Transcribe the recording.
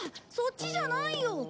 そっちじゃないよ。